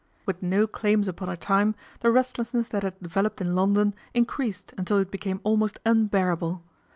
With no claims upon her time, the restlessness that had developed in London increased until it became almost unbearable.